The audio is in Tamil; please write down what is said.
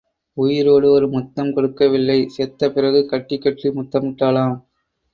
உயிரோடு ஒரு முத்தம் கொடுக்கவில்லை செத்த பிறகு கட்டிக் கட்டி முத்தமிட்டாளாம்.